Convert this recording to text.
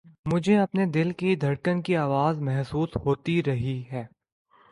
مجھے اپنے دل کی دھڑکن کی آواز محسوس ہو رہی تھی